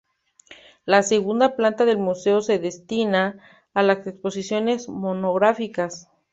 La segunda planta del museo se destina a las exposiciones monográficas.